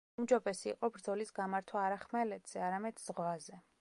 უმჯობესი იყო ბრძოლის გამართვა არა ხმელეთზე, არამედ ზღვაზე.